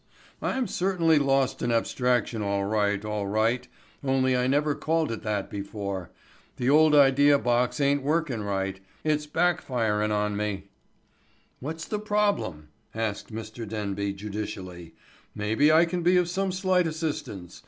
I'm certainly lost in abstraction all right, all right, only I never called it that before. The old idea box ain't workin' right. It's back firin' on me." "What's the problem?" asked Mr. Denby judicially. "Maybe I can be of some slight assistance.